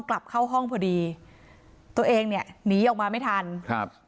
กลับเข้าห้องพอดีตัวเองเนี่ยหนีออกมาไม่ทันครับ